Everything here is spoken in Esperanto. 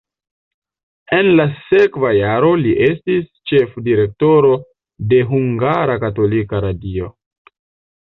En la sekva jaro li estis ĉefdirektoro de Hungara Katolika Radio.